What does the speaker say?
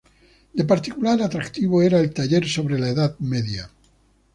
De particular atractivo era el taller sobre la Edad Media.